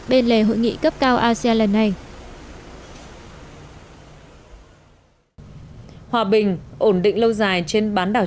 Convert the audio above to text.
bên lề hội nghị cấp cao asean lần này hòa bình ổn định lâu dài trên bán đảo